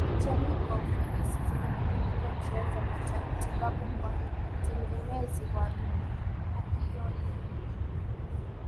jamii kwa ufanisi zaidi kuliko njia za matibabu kwa utegemezi wa opioidi